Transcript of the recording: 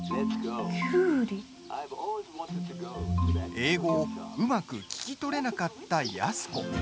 英語をうまく聞き取れなかった安子。